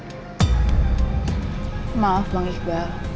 terima kasih bang iqbal